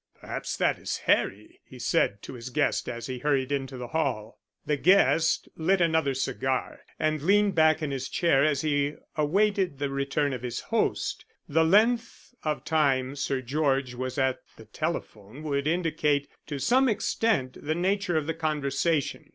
"Perhaps that is Harry," he said to his guest as he hurried into the hall. The guest lit another cigar and leaned back in his chair as he awaited the return of his host. The length of time Sir George was at the telephone would indicate to some extent the nature of the conversation.